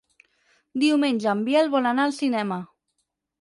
Diumenge en Biel vol anar al cinema.